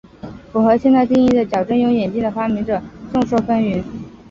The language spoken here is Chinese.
符合现代定义的矫正用眼镜的发明者众说纷纭。